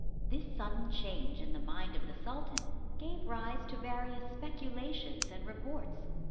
This sudden change in the mind of the sultan gave rise to various speculations and reports.